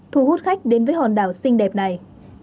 thu hút khách đến với hòn đảo xinh đẹp này